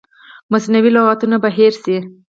مصنوعي لغتونه به هیر شي.